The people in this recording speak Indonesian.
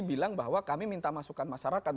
bilang bahwa kami minta masukan masyarakat